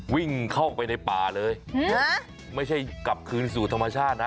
วิ่งเข้าไปในป่าเลยไม่ใช่กลับคืนสู่ธรรมชาตินะ